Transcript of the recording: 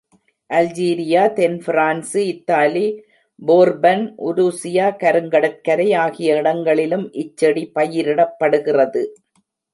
Algeria, தென் France, Italy, Bourbon, Russia, கருங்கடற் கரை, ஆகிய இடங்களிலும் இச் செடி பயிரிடப்படுகிறது.